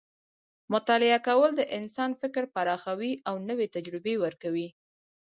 مطالعه کول د انسان فکر پراخوي او نوې تجربې ورکوي.